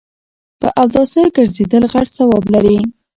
په اوداسه ګرځیدل غټ ثواب لري